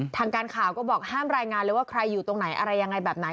ทางการข่าวก็บอกห้ามรายงานเลยว่าใครอยู่ตรงไหนอะไรยังไงแบบไหน